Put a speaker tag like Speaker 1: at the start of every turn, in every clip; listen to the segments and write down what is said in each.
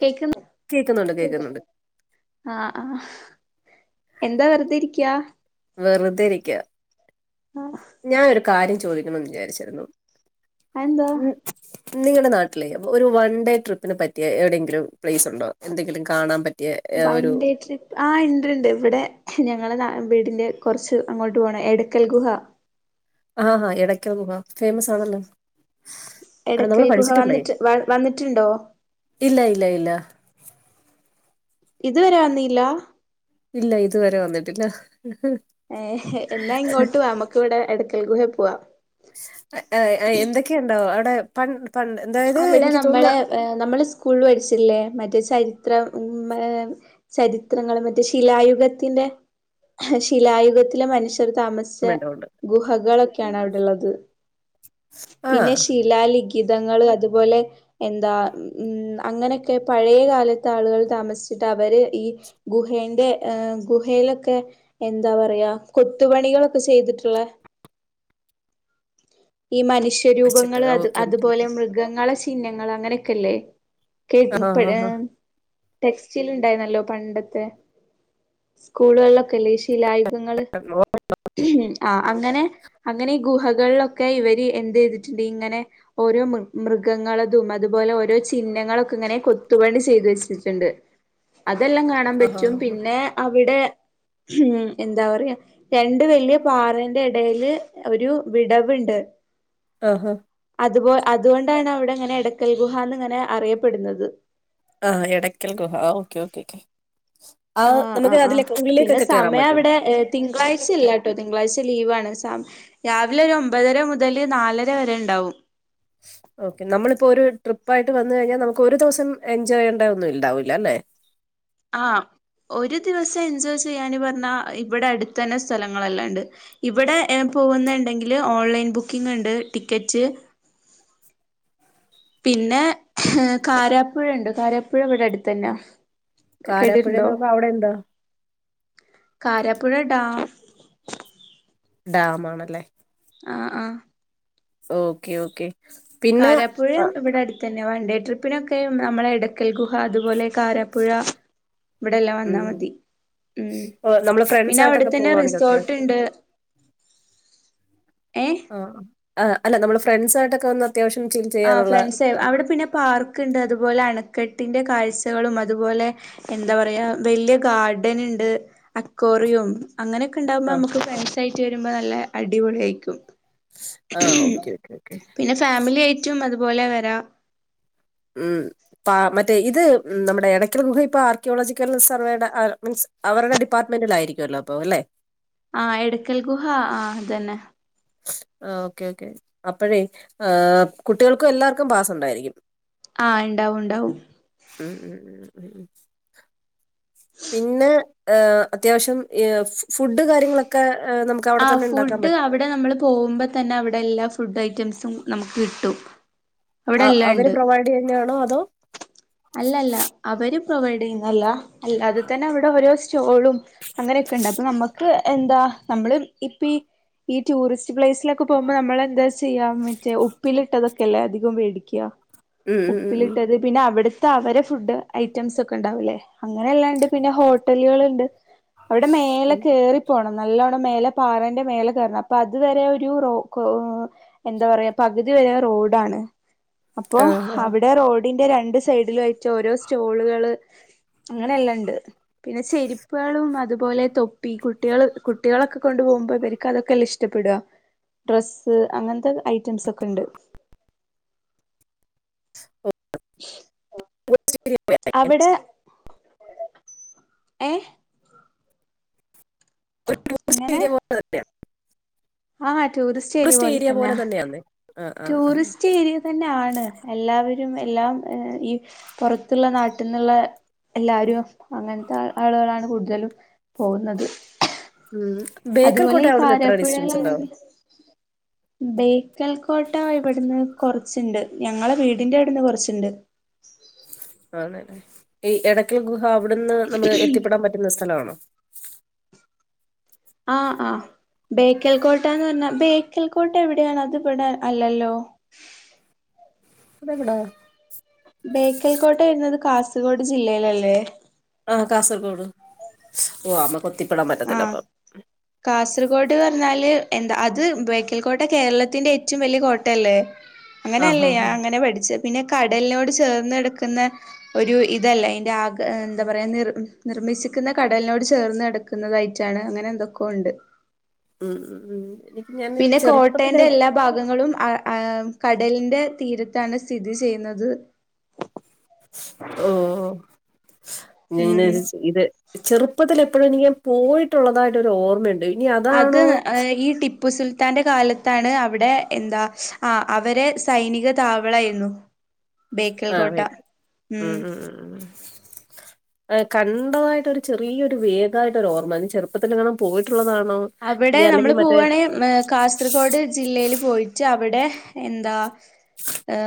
Speaker 1: കേക്കുന്നില്ലെ
Speaker 2: കേക്കുന്നുണ്ട് കേക്കുന്നുണ്ട്
Speaker 1: ആഹ് ആഹ് എന്താ വെറുതെ ഇരിക്കയാ
Speaker 2: വെറുതെരിക്ക
Speaker 1: ആഹ്
Speaker 2: ഞാന് ഒരു കാര്യം ചോദിക്കണന്ന് വിചാരിച്ചിരുന്നു
Speaker 1: അത്എന്തുവാ
Speaker 2: ഉം നിങ്ങളുടെ നാട്ടിലെ ഒരു വൺ ഡേ ട്രിപ്പിന് പറ്റിയ എവിടെങ്കിലും പ്ലേസ് ഉണ്ടോ എന്തെങ്കിലും കാണാൻ പറ്റിയ ഏ,
Speaker 1: വൺ
Speaker 2: ഒരു
Speaker 1: ഡേ ട്രിപ്പ് ആഹ് ഇണ്ട്ണ്ട് ഇവിടെ ഞങ്ങളെ നാ വീടിന്റെ കുറച്ച് അങ്ങോട്ട് പോണം എടയ്ക്കൽ ഗുഹ
Speaker 2: ആഹ്ഹാ ഇടയ്ക്കൽ ഗുഹ ഫേമസ് ആണല്ലോ ആഹ്
Speaker 1: എടക്കൽ
Speaker 2: നമ്മള്
Speaker 1: ഗുഹ
Speaker 2: പഠിച്ചിട്ടില്ലേ
Speaker 1: വന്നിട്ട് വ വന്നിട്ടുണ്ടോ
Speaker 2: ഇല്ല ഇല്ല ഇല്ല
Speaker 1: ഇതുവരെ വന്നീല്ല
Speaker 2: ഇല്ല ഇതുവരെ വന്നിട്ടില്ല.
Speaker 1: ഏഹ് എന്നാ ഇങ്ങോട്ട് വാ അ മ്മക്ക് ഇവിടെ എടയ്ക്കൽ ഗുഹേൽ പോവാ
Speaker 2: എഹ് എഹ് എന്തൊക്കെയുണ്ടാവോ അവിടെ പൺ
Speaker 1: അവിടെ നമ്മളെ എ നമ്മള് സ്കൂൾള് പഠിച്ചില്ലേ മറ്റേ ചരിത്രം ഉം മേ ചരിത്രങ്ങളും മറ്റേ ശിലായുഗത്തിൻ്റെ ഹെ ശിലായുഗത്തിലെ മനുഷ്യർ താമസിച്ച
Speaker 2: ഉണ്ട്
Speaker 1: ഗുഹകളൊക്കെയാണ് അവിടെള്ളത്.
Speaker 2: ആഹ്
Speaker 1: പിന്നെ ശിലാലിഖി തങ്ങള് അതുപോലെ എന്താ ഉം അങ്ങനെയൊക്കെ പഴയ കാലത്ത് ആളുകൾ താമസിച്ചിട്ട അവര് ഈ ഗുഹെന്റെ ഏഹ് ഗുഹയിലൊക്കെ എന്താ പറയാ കൊത്തുപണികളൊ ക്കെ ചെയ്തിട്ടുള്ള ഈ
Speaker 2: വെച്ചിട്ട്
Speaker 1: മനുഷ്യരൂപങ്ങൾ അത്
Speaker 2: ഓക്കെ ഓക്കെ
Speaker 1: അതുപോലെ
Speaker 2: ഓക്കെ
Speaker 1: മൃഗങ്ങളെ ചിഹ്നങ്ങൾ അങ്ങനെക്കെല്ലേ
Speaker 2: ആഹ് ആഹ്
Speaker 1: [unintelligible] ടെക്സ്റ്റിൽ ഇണ്ടായിരുന്നല്ലോ പണ്ടത്തെ സ്കൂളുകളിലൊക്കെല്ലേ ശിലായു ങ്ങള്
Speaker 2: ആഹ്
Speaker 1: ഉം ആഹ് അങ്ങനെ അങ്ങനെ ഈ ഗുഹകൾലൊ ക്കെ ഇവര് എന്ത് ചെയ്തിട്ട്ണ്ട് ഇങ്ങനെ ഓരോ മൃഗ മൃഗങ്ങളതും അതുപോലെ ഓരോ ചിഹ്നങ്ങളൊക്കെ അങ്ങനെ കൊത്തുപണി ചെയ്തു വെച്ചിട്ട്ണ്ട് അതെല്ലാം കാണാൻ
Speaker 2: ആഹ്
Speaker 1: പറ്റും പിന്നെ അവിടെ മ്മ് എന്താ പറയാ രണ്ട് വല്യ പാറേൻ്റെ എടേല് ഒരു വിടവ്ണ്ട്
Speaker 2: ആഹാ
Speaker 1: അത്പോൽ അതുകൊണ്ടാണ് അവിടെ ഇങ്ങനെ എടക്കൽ ഗുഹാന്ന് ഇങ്ങനെ അറിയപ്പെടുന്നത്
Speaker 2: ആഹ് എടയ്ക്കൽ ഗുഹ ഓക്കെ ഓക്കെ ആ
Speaker 1: ആഹ്
Speaker 2: നമുക്ക്
Speaker 1: ആഹ് ആഹ്
Speaker 2: അതിലേക്ക്
Speaker 1: പിന്നെ
Speaker 2: ഉള്ളിലേക്കൊക്കെ കേറാൻ
Speaker 1: സമയം
Speaker 2: പറ്റും
Speaker 1: അവിടെ ഏഹ് തിങ്കളാഴ്ച്ച ഇല്ലാട്ടോ തിങ്കളാഴ്ച്ച ലീവാ [unintelligible] രാവിലെ ഒരു ഒമ്പതര മുതല് നാലര വരെ ഇണ്ടാവും
Speaker 2: ഓക്കെ നമ്മളിപ്പോ ഒരു ട്രിപ്പായിട്ട് വന്ന് കഴിഞ്ഞാ നമുക്ക് ഒരു ദിവസം എൻജോയ്യേണ്ട ഒന്നും ഇണ്ടാവൂല്ലാ ല്ലേ
Speaker 1: ആഹ് ഒരു ദിവസ്സെൻജോയ് ചെയ്യാന് പർഞ്ഞാ ഇവിടെ അടുത്തെന്നെ സ്ഥലങ്ങളെല്ലാണ്ട് ഇവിടെ ഏഹ് പോവുന്നുണ്ടെങ്കില് ഓൺലൈൻ ബുക്കിംഗ് ഇണ്ട് ടിക്കറ്റ് പിന്നെ ഏഹ് കാരാപ്പുഴ ഉണ്ട് കാരാപ്പുഴ ഇവിടെ അടുത്തെന്നാ
Speaker 2: കാരാപ്പുഴ
Speaker 1: കേട്ടിട്ടുണ്ടോ
Speaker 2: എന്ന് പറഞ്ഞാൽ അവിടെ എന്താ
Speaker 1: കാരാപ്പുഴ ഡാം
Speaker 2: ഡാമാണല്ലേ
Speaker 1: ആഹ് ആഹ്
Speaker 2: ഓക്കെ ഓക്കെ പിന്നെ ആ
Speaker 1: കാരാപ്പുഴേം ഇവിടെ അടുത്തെന്നെയാ വൺഡേ ട്രിപ്പിനൊക്കെ നമ്മളെ എടക്കൽ ഗുഹ അതുപോലെ കാരാപ്പുഴ ഇവിടെല്ലാം വന്നാ
Speaker 2: ഉം.
Speaker 1: മതി മം
Speaker 2: ഓ, നമ്മള് ഫ്രണ്ട്സ്
Speaker 1: പിന്നെ
Speaker 2: ആയിട്ടൊക്കെ
Speaker 1: അവിടെത്തന്നെ
Speaker 2: പോവാണെങ്കിൽ അത്യാവശ്യം
Speaker 1: റിസോർട്ട്ണ്ട്. ഏഹ്
Speaker 2: ആഹ് ആഹ് അല്ല നമ്മള് ഫ്രണ്ട്‌സ്സായിട്ടൊക്കെ വന്നാ
Speaker 1: ആ ഫ്രണ്ട്സ് അവിടെ പിന്നെ പാർക്കുണ്ട് അതുപോലെ അണ ക്കെട്ടിന്റെ കാഴ്ചകളും അതുപോലെ എന്താ പറയാ വലിയ ഗാർഡൻ ഉണ്ട് അക്വേ റിയവും അങ്ങനൊക്കെ ഉണ്ടാവുമ്പോ
Speaker 2: ആ
Speaker 1: നമുക്ക് ഫ്രെണ്ട്സ് ആയിട്ട് വരുമ്പോ നല്ല അടിപൊളി ആയിരിക്കും
Speaker 2: ആ ഓക്കെ ഓക്കെ ഓക്കെ
Speaker 1: പിന്നെ ഫാമിലി ആയിട്ടും അതുപോലെ വരാം
Speaker 2: ഉം മറ്റേ ഇത് നമ്മുടെ ഇടയ്ക്കൽ ഗുഹ ഇപ്പൊ ആർക്കിയോളജിക്കൽ റിസർവേയുടെ മീൻസ് അവരുടെ ഡിപ്പാർ ട്ട്മെന്റിൽ ആയിരിക്കുവല്ലോ അപ്പോ അല്ലേ
Speaker 1: ആഹ് എടക്കൽ ഗുഹ ആ അത് തന്നെ
Speaker 2: ആ ഓക്കെ ഓക്കേ അപ്പഴേ ആ കുട്ടികൾക്കും എല്ലാർക്കും പാസുണ്ടായിരിക്കും
Speaker 1: ആഹ് ഉണ്ടാവും ഉണ്ടാവും
Speaker 2: ഉം ഉം ഉം ഉം പിന്നെ അത്യാവശ്യം ഫുഡ് കാര്യങ്ങളൊക്കെ ആ, നമുക്ക് അവിടെ
Speaker 1: ആ
Speaker 2: തന്നെ ഉണ്ടാക്കാൻ
Speaker 1: ഫുഡ്
Speaker 2: പറ്റും
Speaker 1: അവിടെ നമ്മള് പോകുമ്പോ തന്നെ അവിടെ എല്ലാ ഫുഡ് ഐറ്റംസ് നമുക്ക് കിട്ടും
Speaker 2: അ-
Speaker 1: അവിടെല്ലാം
Speaker 2: അവര്
Speaker 1: ഉണ്ട്
Speaker 2: പ്രൊവൈഡ് ചെയ്യുന്നതാണോ അതോ
Speaker 1: അല്ല അല്ല അവര് പ്രൊവൈഡ് ചെയ്യുന്നു അല്ല അല്ല അത് തന്നെ അവിടെ ഓരോ സ്റ്റോളും അങ്ങനെയൊക്കെ ഉണ്ട് അപ്പൊ നമുക്ക് എന്താ നമ്മള് ഇപ്പ ഈ ടൂറിസ്റ്റ് പ്ലേസിലൊക്കെ പോകുമ്പോ നമ്മളെന്താ ചെയ്യാം മറ്റേ ഉപ്പിലിട്ടതൊക്കെ അല്ലേ അധികം പേടിക്കുക
Speaker 2: ഉം ഉം ഉം ഉം,
Speaker 1: ഉപ്പിലിട്ടത് പിന്നെ അവിടെ അവരെ ഫുഡ് ഐറ്റംസ് ഒക്കെ ഉണ്ടാവല്ലേ അങ്ങനെ എല്ലാ ഉണ്ട് പിന്നെ ഹോട്ടലുകളുണ്ട് അവിടെ
Speaker 2: ഉം.
Speaker 1: മേലെയറി പോണം നല്ലോ എന്താ റോഡാണ് അപ്പോൊ
Speaker 2: ആ ആ,
Speaker 1: അവിടെ റോഡിന്റെ രണ്ട് സൈഡില ആട്ട് ഓരോ സ്റ്റോളുകള് അങ്ങനെയെല്ലാം ഉണ്ട് പിന്നെ ചെരുപ്പുകളും അതുപോലെ തൊപ്പി കുട്ടികൾ കുട്ടികളൊക്കെ കൊണ്ടു പോകുമ്പോൾരിക്കക്ക് അതൊക്കെല്ലാം ഇഷ്ടപ്പെടുക ഡ്രെസ്സ് അങ്ങനത്തെ ഐറ്റംസ് ഒക്കെ ഉണ്ട്
Speaker 2: ആ.
Speaker 1: ആ
Speaker 2: [unintelligible]
Speaker 1: ഏഹ
Speaker 2: ഒരു പോ
Speaker 1: ആഹ ടൂറിസ്റ്റ് ഏരിയ പോലെ തന്നെ
Speaker 2: തന്നെയാന്നേ ആ ആ ആ
Speaker 1: ടൂറിസ്റ്റ് ഏരിയ തന്നെ ആാണ് എല്ലാവരും എല്ലാം ഈ പുറത്തുള്ള നാട്ടിൽന്നുള്ള എല്ലാരും അങ്ങനത്തെ ആളുകളാണ് കൂടുതലും പോകുന്നത്
Speaker 2: ഉം ബേക്കൽ
Speaker 1: അതുപോലെ
Speaker 2: കോട്ട
Speaker 1: ഈ
Speaker 2: അവിടുന്ന് എത്ര ഡിസ്റ്റൻസ്
Speaker 1: കാരാപ്പുഴല്ലണ
Speaker 2: ഉണ്ടാവും
Speaker 1: ബേക്കൽ കോട്ട ഇവിടുന്ന് കൊറച്ചുണ്ട് ഞങ്ങളെ വീടിന്റെ ഇവിടുന്ന് കൊറച്ചുണ്ട് ഉ
Speaker 2: ആണല്ലേ ഈ ഇടയ്ക്കൽ ഗുഹ അവിടുന്ന് നമുക്ക് എത്തിപ്പെടാൻ പറ്റുന്ന സ്ഥലമാണോ
Speaker 1: ആഹ ആഹ ബേക്കൽ കോട്ട എന്ന് പറഞ്ഞാ ബേക്കൽ കോട്ട എവിടെയാണ് അത് ഇടാ അല്ലല്ലോ ഉ
Speaker 2: അതെവിടെ
Speaker 1: ബേക്കൽകോട്ട വരനത് കാസർഗോഡ് ജില്ലയിലല്ലേ
Speaker 2: ആഹ കാസർഗോഡ് ഓ ആമ്മക്ക
Speaker 1: ആഹ കാസർഗോഡ് പറഞ്ഞാല് എന്താ അത് ബേക്കൽ കോട്ട കേരളത്തിന്റെ ഏറ്റവും വലിയ കോട്ടയല്ലേ
Speaker 2: ആഹ്
Speaker 1: അങ്ങനെയല്ലേ
Speaker 2: ആഹ്
Speaker 1: ഞാൻ
Speaker 2: ആഹ്
Speaker 1: അങ്ങനെ പഠിച്ച പിന്നെ കടലിനോട് ചേർന്ന്ടുക്കുന്ന ഒരു ഇതല്ല അതിറെ ആ എന്താ പറയാ നി നി താമ്മസിക്കുന്ന കടലിനോട് ചേർന്ന് എടുക്കുന്നതായിട്ടാണ് അങ്ങനെ എന്തൊക്കെയ ഉണ്ട്
Speaker 2: ഉം ഉം ഉം ഞാൻ
Speaker 1: പിന്നെ
Speaker 2: ചെറുപ്പത്തില്
Speaker 1: കോട്ടയറെ എല്ലാ ഭാഗങ്ങളും ആ കടലിന്റെ തീരത്താണ് സ്ഥിതി ചെയ്യുന്നത്
Speaker 2: ഓ ഇങ്ങനെ
Speaker 1: ഉം
Speaker 2: ഇത് ചെറുപ്പത്തിലൽ അപ്പോഴ എനിക്ക്ഞാൻ പോയിട്ടുള്ളതായിട്ട്ൊരു ഓർമ്മയുണ്ട് ഇനി
Speaker 1: അത്
Speaker 2: അതാണോ
Speaker 1: ഈ ടിപ്പു സുൽത്താന്റെ കാലത്ത് ാണ് അവിടെ എന്താ ആ അവരെ സൈനിക താവളായിരുന്നു ബേക്കൽ കോട്ട
Speaker 2: ആക്ക് ഉം ഉ ഉ ഉ ആ കണ്ടതായിട്ടൊ ഒരു ചെറിയൊരു വേഗമായിട്ടരു ഓർമ്മ ഇ ചെറുപ്പത്തി കണം പോയിട്ട്
Speaker 1: അവിടെ നമ്മള് പോവാണെിൽ കാസർഗോഡ് ജില്ലൽ പോയിട്ട് അവിടെ എന്താ ഏ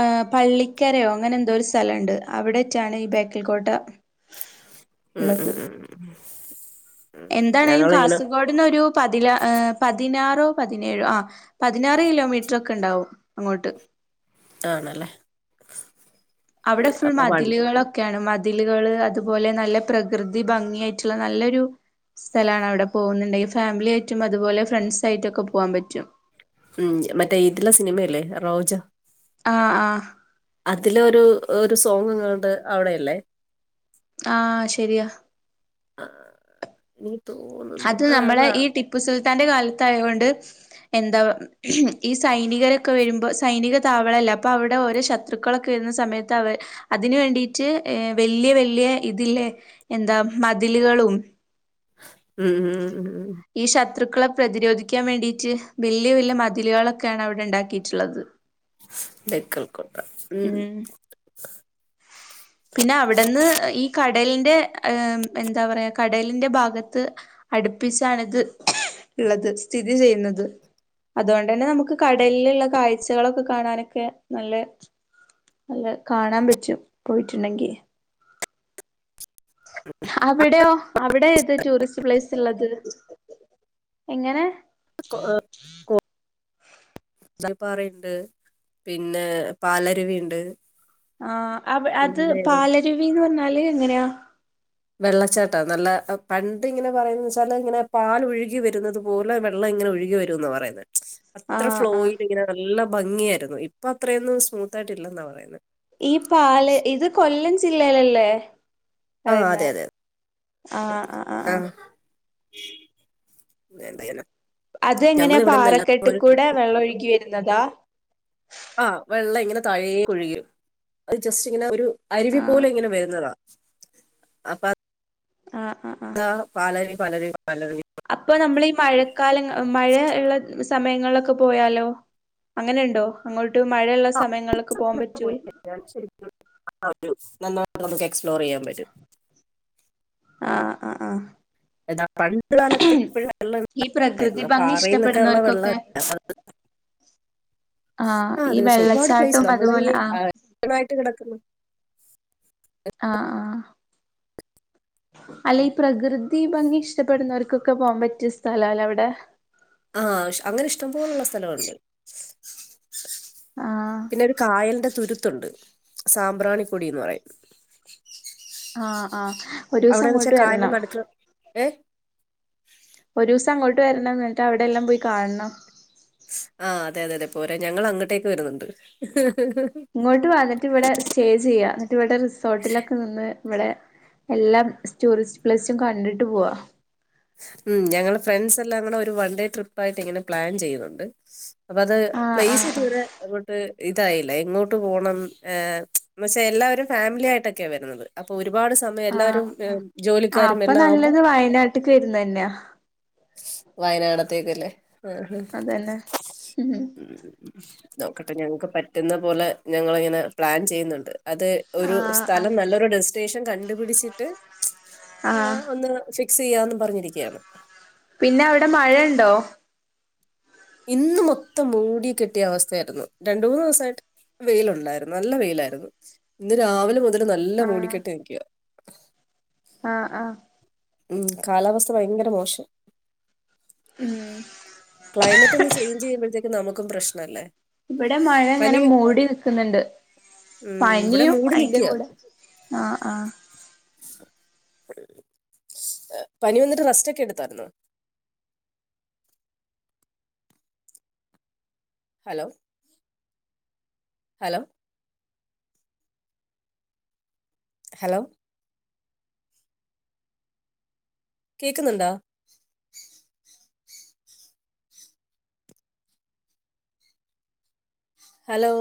Speaker 1: ആ പള്ളിക്കരയോ അങ്ങനെ എന്തോ ഒരു സ്ഥലംുണ്ട് അവിടെട്ടാണ് ഈ ബേക്കൽ കോോട്ട ഉ
Speaker 2: ഉം ഉം ഉം ഉം ഉ
Speaker 1: എന്താണേലും കാസർഗോഡിന ഒരു പതില പതിനാറോ പതിനേഴോ ആ പതിനാറ് കിലോമീറ്റർ ഒക്കെ ഉണ്ടാവും അങ്ങോട്ട്
Speaker 2: ആണല്ലേ
Speaker 1: അവിടെ ഫുൾ
Speaker 2: അപ്പൊ വൺ
Speaker 1: മതിലുകളൊക്കെയാണ് മതി അതിലുകള് അതുപോലെ നല്ല പ്രകൃതി ഭംഗിയ ആായിട്ടുള്ള നല്ലൊരു സ്ഥലമാണ് അവിടെ പോകുന്നുണ്ടെങ്കിൽ ഫാമിലി ആയിട്ടും അതുപോലെ ഫ്രണ്ട്സ് ആയിട്ടും ഒക്കെ പോകാൻ പറ്റും
Speaker 2: ഉം മറ്റേ ഇതില സിനിമല്ലേ റോജ
Speaker 1: ആ് ആഹ
Speaker 2: അതിലൊ ഒരു ഒരു സോങ്ങ്ങ്ങണ്ട് അവിടെല്ലേ
Speaker 1: ആഹ ശരിയാ
Speaker 2: ആ തോന്നുന്നു
Speaker 1: അത്
Speaker 2: ആ
Speaker 1: നമ്മളെ
Speaker 2: അതാ
Speaker 1: ഈ ടിപ്പു സുൽത്താന്റെ കാലത്തയുകൊണ്ട് എന്താ ഈ സൈനികരൊക്കെ വരുമ്പോ സൈനിക താവളല്ല അപ്പൊ അവിടെ ഓരോ ശത്രുക്കളൊക്കെ സമയത്ത് അതിനന് വേണ്ടീട്ട് വലിയ വലിയ ഇതില്ലേ എന്താ മതിൽ ും
Speaker 2: ഉം ഉം ഉ ഉ
Speaker 1: ശത്രുക്കളെ പ്രതിരോധിക്കാൻ വേണ്ടിട്ട് വലിയ വലിയ മതിലുകളൊക്കെയാണ് അവിടെ ഉണ്ടാക്കിയിട്ടുള്ളത്
Speaker 2: ക്കൽക്കട്ട ഉം
Speaker 1: ആ പിന്നെ അവിടുന്ന് ഈ കടലിന്റെ എന്താ പറയാ കടലിന്റെ ഭാഗത്ത് അടുപ്പിച്ചാണ്ിത് ഉള്ളത് സ്ഥിതി ചെയ്യുന്നത് അതുകൊണ്ട് തന്നെ നമുക്ക് കടലിലുള്ള കാഴ്ചകളൊക്കെ കാണാനൊക്കെ നല്ല അല്ല കാണാൻ പറ്റും പോയിട്ടുണ്ടെങ്കി അവിടെയോ അവിടെ ഏത് ടൂറിസ്റ്റ് പ്ലേസ് ഉള്ളത് എങ്ങനെ
Speaker 2: കന്തൽപ്പാറയുണ്ട് പിന്നെ പാലരുവിുണ്ട്
Speaker 1: ആഹ അ അത് പാലരുവിന്ന് പറഞ്ഞാല് എങ്ങനെയാ
Speaker 2: വെള്ളച്ചാട്ടാ നല്ല പണ്ട് ഇങ്ങനെ പറയ വച്ചാല് ഇങ്ങനെ പാാലൊഴുകി വരുന്നത് പോലെ വെള്ളം ങ്ങന ഒഴെ വരുമ എന്നന്ന് പറയുന്നത്
Speaker 1: ആ
Speaker 2: അത്ര
Speaker 1: ആ
Speaker 2: ഫ്ലോയിൽ ഇങ്ങനെ നല്ല ഭംഗിയായിരുന്നു ഇപ്പ അത്രയൊന്നും സ്മൂത്ത്ായിട്ടില്ലെന്നാ പറയുന്നത്
Speaker 1: ഈ പാല ഇത് കൊല്ലം ജില്ലയിലല്ലേ
Speaker 2: ആഹ അതെ
Speaker 1: പറയുന്നേ
Speaker 2: അതെെ
Speaker 1: ആ ആ ആ ആ
Speaker 2: ആഹ എന്തയന
Speaker 1: അത എങ്ങനെയാ പാറക്കെട്ടിൽ കൂടെ
Speaker 2: ട്രിപ്പ്
Speaker 1: വെള്ളമ ഒഴുകി വരുന്നതാ
Speaker 2: ആഹ വെള്ളം ഇങ്ങനെ തഴയ ഒഴുകും അത് ജസ്റ്റ് ഇങ്ങനെ ഒരു അരുവി പോലെ
Speaker 1: ആഹ്
Speaker 2: ഇങ്ങനെ വരുന്നതാണ് അപ്പ
Speaker 1: ആഹ് ആഹ് ആഹ്
Speaker 2: ആ പാലറി പാലറി പാലറി
Speaker 1: അപ്പൊ നമ്മളീ മഴക്കാലം മഴ ഉള്ള സമയങ്ങളിലൊക്കെ പോയാലോ അങ്ങനുണ്ടോ അങ്ങോട്ട് മഴയുള്ള സ്
Speaker 2: [unintelligible] നമുക്ക് എക്സ്പ്ലോർ ചെയ്യാൻ പറ്റും
Speaker 1: ആഹ് ആഹ്
Speaker 2: [unintelligible]
Speaker 1: ഈ പ്രകൃതി
Speaker 2: ഉണ്ടായിരുന്നു അപ്പൊ
Speaker 1: ഭംഗി
Speaker 2: ആറയിൽ നിന്നൊക്കെ ഉള്ള
Speaker 1: ഇഷ്ടപ്പെടുന്നവർക്കൊക്കെ
Speaker 2: വെള്ളം
Speaker 1: ആഹ്
Speaker 2: ആ
Speaker 1: ഈ
Speaker 2: അത് പക്ഷെ ഒരുപാട്
Speaker 1: വെള്ളച്ചാട്ടോ
Speaker 2: പ്ലേസ് നമ്മളെ
Speaker 1: അതുപോലെ
Speaker 2: ഈ
Speaker 1: ആഹ്
Speaker 2: ആയിട്ട് കിടക്കുന്നു
Speaker 1: ആഹ് ആഹ് അല്ല ഈ പ്രകൃതി ഭംഗി ഇഷ്ടപ്പെടുന്നവർക്കൊക്കെ പോവാൻ പറ്റിയ സ്ഥല അല്ലേ അവിടെ
Speaker 2: ആഹ് അങ്ങനെ ഇഷ്ടംപോലുള്ള സ്ഥലവുണ്ട്
Speaker 1: ആഹ്
Speaker 2: പിന്നെ ഒരു കായലിന്റെ തുരു ത്തുണ്ട് സാമ്പ്രാണികുടിന്ന് പറയും
Speaker 1: ആ ആ
Speaker 2: അവിടെന്ന്ച്ചാ കായാലിന്റെ നട്ക്ക് ഏ
Speaker 1: ഒരു ദിവസം അങ്ങോട്ട് വരണം എന്നിട്ട് അവിടെല്ലാം പോയി കാണണം
Speaker 2: ആ അതെ അതെ അതെ പോരെ ഞങ്ങൾ അങ്ങോട്ടേക്ക് വര്ന്ന്ണ്ട്
Speaker 1: ഇങ്ങോട്ട് വന്നിട്ട് ഇവിടെ സ്റ്റേ ചെയ്യാ ന്നിട്ട് ഇവിടെ റിസോർട്ടിലൊക്കെ നിന്ന് ഇവിടെ എല്ലാ സ്റ്റൂറിസ്റ്റ് പ്ലേസും കണ്ടിട്ട് പോവാ
Speaker 2: ഉം ഞങ്ങൾ ഫ്രണ്ട്സ് എല്ലാം കൂടെ ഒരു വൺ ഡേ ട്രിപ്പ് ആയിട്ട് ഇങ്ങനെ പ്ലാൻ ചെയ്യുന്ന്ണ്ട് അപ്പ അത്
Speaker 1: ആഹ്
Speaker 2: പ്ലേസ്
Speaker 1: ആഹ്
Speaker 2: ഇത്
Speaker 1: ആഹ്
Speaker 2: വരെ അങ്ങോട്ട് ഇതായില്ല എങ്ങോട്ട് പോണം ഏ എന്നേച്ച എല്ലാവരും ഫാമിലി ആയിട്ടൊക്കെയാ വരുന്നത് അപ്പൊ ഒരു രുപാട് സമയം എല്ലാരും
Speaker 1: ആഹ്
Speaker 2: ജോലിക്കാരും എല്ലാം ആവുമ്പോ
Speaker 1: ട്ട്ക്ക് വരുന്നെന്നാ
Speaker 2: വയനാടത്തേക്കല്ലേ ആഹ്
Speaker 1: അതന്നെ ഉം
Speaker 2: നോക്കട്ടെ ഞങ്ങക്ക് പറ്റുന്ന പോലെ ഞങ്ങളിങ്ങനെ പ്ലാൻ ചെയ്യ്ന്നുണ്ട് അത് ഒരു
Speaker 1: ആഹ്
Speaker 2: സ്ഥലം
Speaker 1: ആഹ്
Speaker 2: നല്ലൊരു ഡെസ്റ്റിനേഷൻ കണ്ടുപിടിച്ചിട്ട് ആ
Speaker 1: ആഹ്
Speaker 2: ഒന്ന് ഫിക്സെയ്യാന്ന് പറഞ്ഞിരിക്കയാണ്
Speaker 1: പിന്നെ അവിടെ മഴണ്ടോ
Speaker 2: ഇന്ന് മൊത്തം മൂടികെട്ടിയ അവസ്ഥയാര്ന്നു രണ്ട് മൂന്ന് ദിവസായിട്ട് വെയിലുണ്ടാര്ന്നു നല്ല വെയിലായിര്ന്നു ഇന്ന് രാവിലെ മുതല് നല്ല മൂടിക്കെട്ടി നിക്കുവ
Speaker 1: ആ ആ
Speaker 2: ഉം കാലാവസ്ഥ ഭയങ്കര മോശം
Speaker 1: ഉം
Speaker 2: ക്ലൈമറ്റ് ഒന്ന് ചേഞ്ച് ചെയ്യുമ്പോഴത്തേക്കും നമുക്കും പ്രശ്നല്ലേ
Speaker 1: ഇവിടെ മഴ ഇങ്ങനെ മൂടി നിക്ക്ന്ന്ണ്ട്
Speaker 2: ഉം ഇവിടെ
Speaker 1: പനിയും
Speaker 2: മൂടി
Speaker 1: അയ്ന്റെ
Speaker 2: നിൽക്കുക
Speaker 1: കൂടെ ആ ആ
Speaker 2: പനി വന്നിട്ട് റസ്റ്റ് ഒക്കെ എടുത്തായിരുന്നോ ഹലോ ഹലോ ഹലോ കേക്ക്ന്നുണ്ടാേ ഹലോ